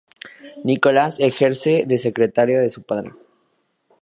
Nicolás ejerce de secretario de su padre.